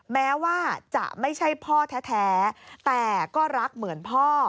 แม้ว่าจะไม่ใช่พ่อแท้แต่ก็รักเหมือนพ่อ